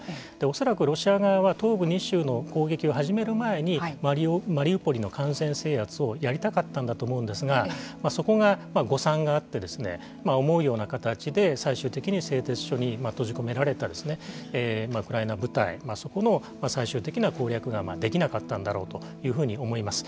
恐らくロシア側は東部２州の攻撃を始める前にマリウポリの完全制圧をやりたかったんだと思うんですがそこが誤算があって思うような形で最終的に製鉄所に閉じ込められたウクライナ部隊そこの最終的な攻略ができなかったんだろうというふうに思います。